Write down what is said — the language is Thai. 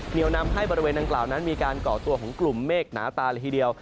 เหนียวนำให้บริเวณดังกล่าวนั้นมีการก่อตัวของกลุ่มเมฆหนาตาละทีเดียว